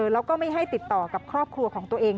แล้วก็ไม่ให้ติดต่อกับครอบครัวของตัวเอง